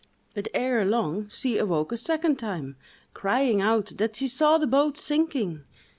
But, ere long, she awoke a second time, crying out that she "saw the boat sinking!"